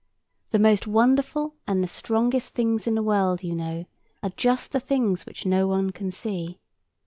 The most wonderful and the strongest things in the world, you know, are just the things which no one can see.